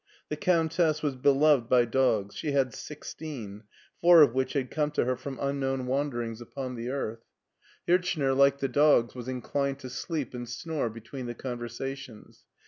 The Countess was be loved by dogs; she had sixteen, four of which had come to her from unknown wanderings upon the earth. BERLIN 185 Hirchner, like the dogs, was inclined to sleep and snore between the conversations.